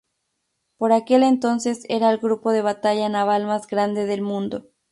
Por aquel entonces era el grupo de batalla naval más grande del mundo.